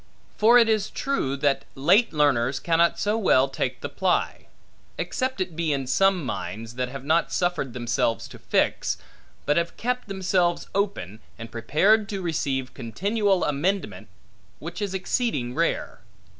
For it is true, that late learners cannot so well take the ply; except it be in some minds, that have not suffered themselves to fix, but have kept themselves open, and prepared to receive continual amendment, which is exceeding rare.